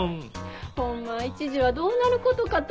「ホンマ一時はどうなる事かと」